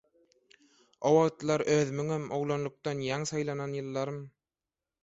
O wagtlar özümiňem oglanlykdan ýaňy saýlanan ýyllarym